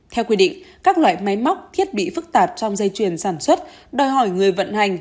theo quy định các loại máy móc thiết bị phức tạp trong dây chuyển sản xuất đòi hỏi người vận hành